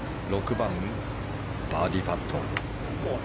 ６番のバーディーパット。